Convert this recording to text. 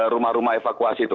rumah rumah evakuasi itu